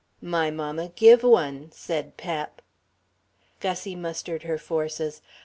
"My mamma give one," said Pep. Gussie mustered her forces.